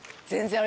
あれ？